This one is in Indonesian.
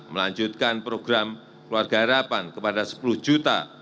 melanjutkan program keluarga harapan kepada sepuluh juta